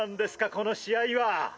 この試合は！